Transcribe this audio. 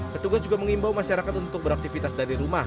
petugas juga mengimbau masyarakat untuk beraktivitas dari rumah